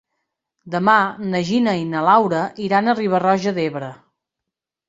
Demà na Gina i na Laura iran a Riba-roja d'Ebre.